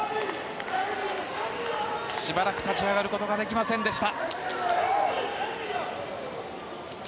しばらく立ち上がることができませんでした。